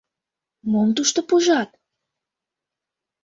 Мом тушто пужат?